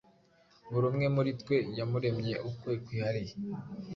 buri umwe muri twe yamuremye ukwe kwihariye.